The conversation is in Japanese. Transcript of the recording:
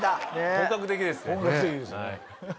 本格的ですね。ねぇ。